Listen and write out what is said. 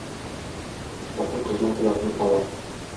Хатын-кызның оятын алам.